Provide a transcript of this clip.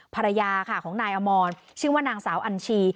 ภรรยาค่ะของนายอมรชื่อว่านางสาวอัญชี